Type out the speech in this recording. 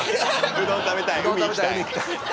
「うどん食べたい」「海行きたい」